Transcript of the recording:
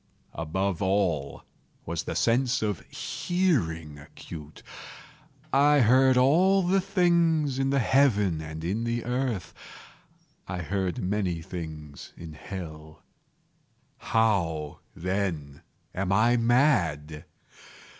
Above all was the sense of hearing acute. I heard all things in the heaven and in the earth. I heard many things in hell. How, then, am I mad?